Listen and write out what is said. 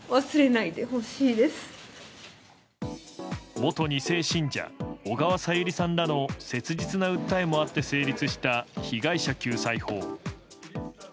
元２世信者小川さゆりさんらの切実な訴えもあって成立した被害者救済法。